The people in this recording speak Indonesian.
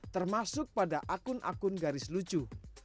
termasuk pada akun akun garis lucu